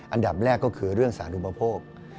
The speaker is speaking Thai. อันดับแรกก็คือเรื่องสาธุปโภค